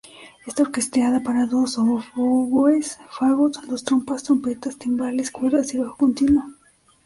Está orquestada para dos oboes, fagot, dos trompas, trompetas, timbales, cuerdas y bajo continuo.